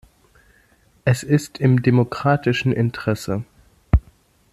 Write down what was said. Es ist im demokratischen Interesse.